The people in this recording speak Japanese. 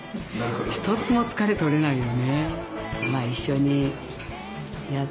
一つも疲れ取れないよね。